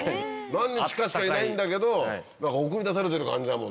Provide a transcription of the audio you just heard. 何日かしかいないんだけど送り出されてる感じだもんね。